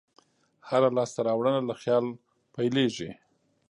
هره لاسته راوړنه له خیال پیلېږي.